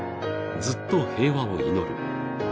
ずっと平和を祈る